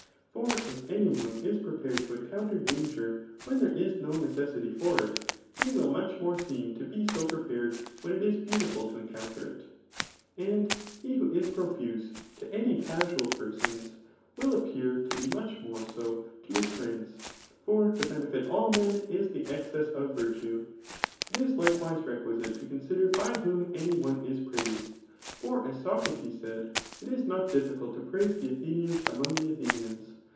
For if any one is pre* pared to encounter danger when there is no necessity for it, he will much more seem to be fik> prepared where it is beaudfiil to ekxcouoter it. And he who is profuse to any casual persons, will appear to be much more so to his friends j for to ben^ all men is ike escess qf virtue It is likewise requisite to consider by whom any one is praised ; for as Socrates said, it is not difficult to pr^se the Athenians amcmg the Aihenians.